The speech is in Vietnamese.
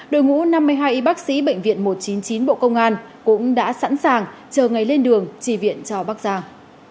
đội ngũ năm mươi hai y bác sĩ bệnh viện một trăm chín mươi chín bộ công an cũng đã sẵn sàng chờ ngày lên đường trì viện cho bắc giang